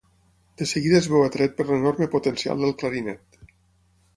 De seguida es veu atret per l'enorme potencial del clarinet.